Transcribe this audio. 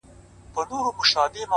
كبرجن وو ځان يې غوښـتى پــه دنـيـا كي’